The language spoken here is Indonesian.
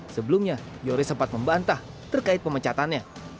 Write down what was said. sebelumnya yoris sempat membantah terkait pemecatannya